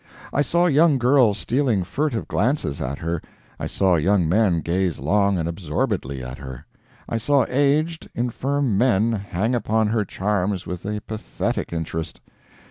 I saw young girls stealing furtive glances at her; I saw young men gaze long and absorbedly at her; I saw aged, infirm men hang upon her charms with a pathetic interest.